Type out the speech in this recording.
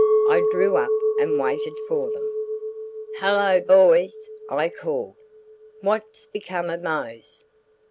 I drew up and waited for them. "Hello, boys!" I called. "What's become of Mose?"